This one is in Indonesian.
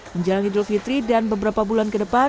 menjalani dulu fitri dan beberapa bulan ke depan